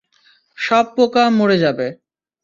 সব পোকা মরে যাবে।